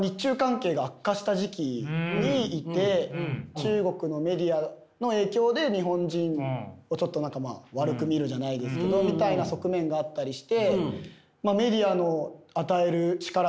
中国のメディアの影響で日本人をちょっと何かまあ悪く見るじゃないですけどみたいな側面があったりして。